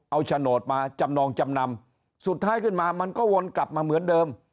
เอาโฉนดมาจำนองจำนำสุดท้ายขึ้นมามันก็วนกลับมาเหมือนเดิม